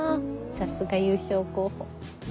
さすが優勝候補。